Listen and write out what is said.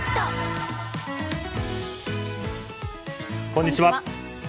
こんにちは。